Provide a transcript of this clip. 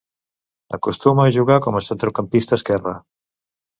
Acostuma a jugar com a centrecampista esquerre.